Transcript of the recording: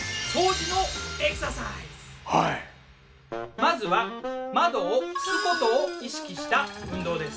まずは窓を拭くことを意識した運動です。